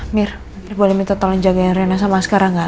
mir boleh minta tolong jagain reina sama askar enggak